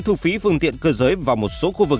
thu phí phương tiện cơ giới vào một số khu vực